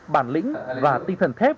bản lĩnh và tinh thần thép